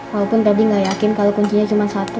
walaupun pebri gak yakin kalau kuncinya cuma satu